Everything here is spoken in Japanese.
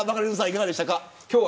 いかがでしたか。